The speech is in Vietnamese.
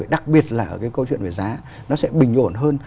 đặc biệt là ở cái câu chuyện về giá nó sẽ bình ổn hơn